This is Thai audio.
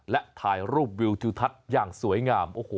และถ่ายรูปวิวทิวทัศน์อย่างสวยงาม